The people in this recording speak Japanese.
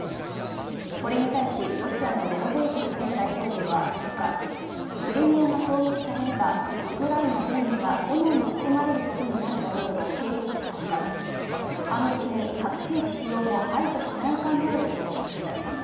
これに対し、ロシアのメドベージェフ前大統領は４日、クリミアが攻撃されれば、ウクライナ全土が炎に包まれることになるだろうと警告したほか、反撃に核兵器使用も排除しない考えを示しました。